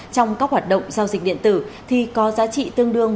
trong các hoạt động giao dịch điện tử thì có giá trị tương đương